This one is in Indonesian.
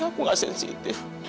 aku gak sensitif